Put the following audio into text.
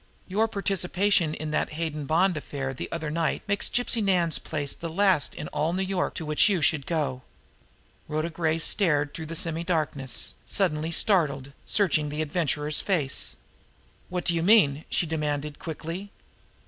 Your participation in that Hayden Bond affair the other night makes Gypsy Nan's place the last in all New York to which you should go." Rhoda Gray stared through the semi darkness, suddenly startled, searching the Adventurer's face. "What do you mean?" she demanded quickly.